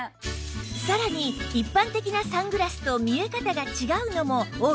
さらに一般的なサングラスと見え方が違うのも大きな特長